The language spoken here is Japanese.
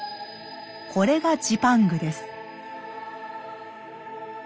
これがジパングです。